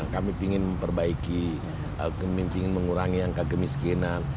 kami ingin memperbaiki ingin mengurangi angka kemiskinan